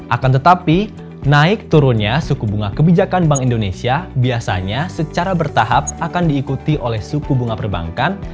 akan tetapi naik turunnya suku bunga kebijakan bank indonesia biasanya secara bertahap akan diikuti oleh suku bunga perbankan